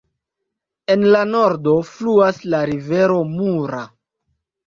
En la nordo fluas la rivero Mura.